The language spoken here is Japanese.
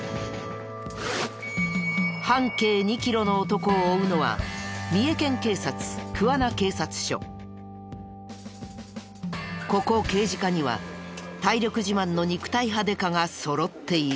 半径２キロの男を追うのはここ刑事課には体力自慢の肉体派デカがそろっている。